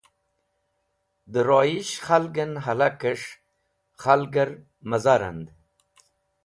Dẽ royish khalgẽn hẽlakẽs̃h khalgẽr mẽza rand.